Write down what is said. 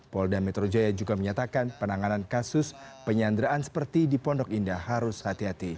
polda metro jaya juga menyatakan penanganan kasus penyanderaan seperti di pondok indah harus hati hati